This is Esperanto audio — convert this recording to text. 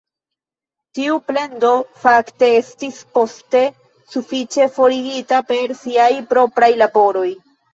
Tiu plendo fakte estis poste sufiĉe forigita per siaj propraj laboroj.